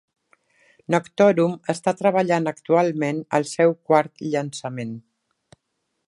Noctorum està treballant actualment al seu quart llançament.